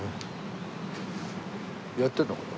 やってるのかな？